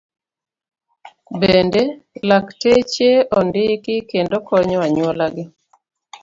Bende, lakteche ondiki kendo konyo anyuola gi.